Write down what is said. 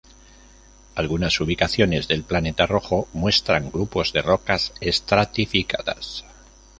Algunas ubicaciones del planeta rojo muestran grupos de rocas estratificadas.